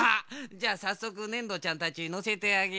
じゃあさっそくねんどちゃんたちのせてあげよう。